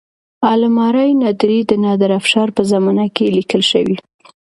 عالم آرای نادري د نادر افشار په زمانه کې لیکل شوی.